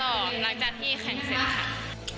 ก็หลังจากที่แข่งเสร็จค่ะ